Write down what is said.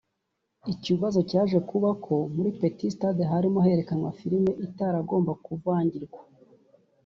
Ikibazo cyaje kuba ko muri petit stade harimo herekanwa filimi itaragombaga kuvangirwa